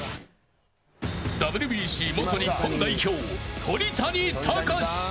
ＷＢＣ元日本代表、鳥谷敬。